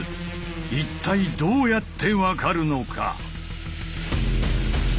一体どうやって分かるのか？